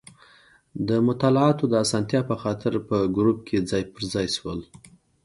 د مطالعاتو د اسانتیا په خاطر په ګروپ کې ځای په ځای شوي.